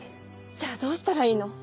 じゃあどうしたらいいの？